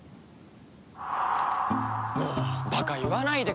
もうバカ言わないでくださいよ。